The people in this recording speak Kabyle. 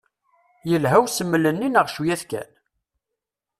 Yelha usmel-nni neɣ cwiya-t kan?